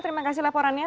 terima kasih laporannya